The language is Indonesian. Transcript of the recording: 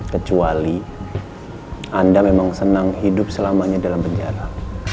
kecuali anda memang senang hidup selamanya dalam penjara